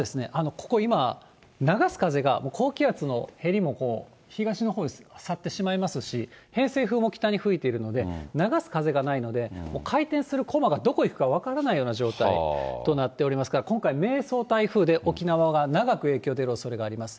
ここ、今、流す風が高気圧のへりも東のほうへ去ってしまいますし、偏西風も北に吹いているので、流す風がないので、回転するこまがどこ行くか分からないような状況となっておりますから、今回、迷走台風で沖縄が長く影響出るおそれがあります。